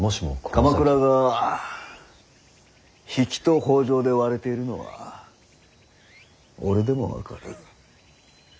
鎌倉が比企と北条で割れているのは俺でも分かる。